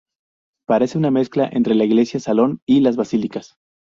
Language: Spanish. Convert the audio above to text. Parece una mezcla entre las iglesia-salón y las basílicas.